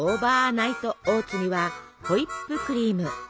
ナイトオーツにはホイップクリーム。